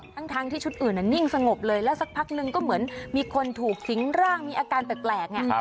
ทั้งที่ชุดอื่นนิ่งสงบเลยแล้วสักพักนึงก็เหมือนมีคนถูกสิงร่างมีอาการแปลก